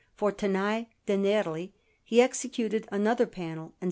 For Tanai de' Nerli he executed another panel in S.